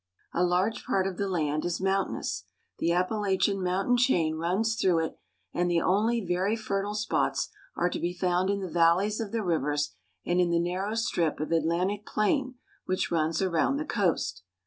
A large part of the land is mountainous. The Appalachian mountain chain runs through it, and the only very fertile spots are to be found in the valleys of the rivers and in the narrow strip of Atlantic plain which runs around the coast.